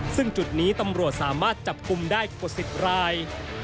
ซึ่งจุดนี้ตำรวจสามารถจับกลุ่มได้กว่า๑๐ราย